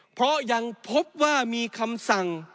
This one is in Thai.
เพราะยังพบว่ามีคำสั่ง